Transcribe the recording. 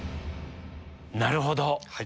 なるほど！